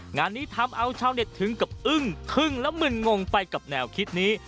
งานนี้ทำเอาชาวเน็ตถึงกับอึ้งทึ่งและมึนงงไปกับแนวคิดนี้